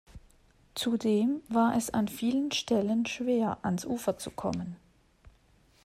Zudem war es an vielen Stellen schwer, ans Ufer zu kommen.